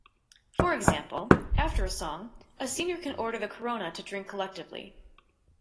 For example, after a song, a senior can order the corona to drink collectively.